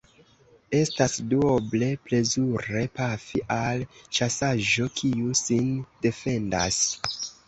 Estas duoble plezure pafi al ĉasaĵo, kiu sin defendas.